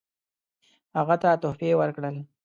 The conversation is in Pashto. هغه ته تحفې ورکړل.